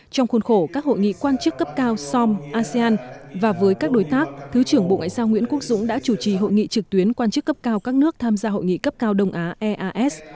trong khuôn khổ các hội nghị quan chức cấp cao som asean và với các đối tác thứ trưởng bộ ngoại giao nguyễn quốc dũng đã chủ trì hội nghị trực tuyến quan chức cấp cao các nước tham gia hội nghị cấp cao đông á eas